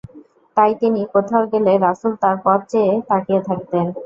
তাই তিনি কোথাও গেলে রাসূল তাঁর পথ চেয়ে তাকিয়ে থাকতেন।